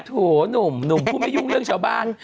โถหนุ่มหนุ่มผู้ไม่ยุ่งเรื่องชาวบ้าน